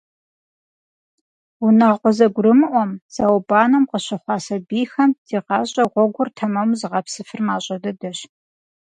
Унагъуэ зэгурымыӏуэм, зауэбанэм къыщыхъуа сабийхэм зи гъащӀэ гъуэгур тэмэму зыгъэпсыфыр мащӏэ дыдэщ.